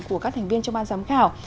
của các thành viên trong ban giám khảo